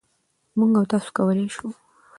مـوږ او تاسـو کـولی شـو